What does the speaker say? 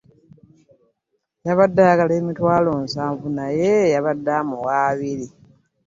Yabadde ayagala emitwalo nsanvu naye yabadde amuwa ebiri.